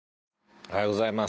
おはようございます。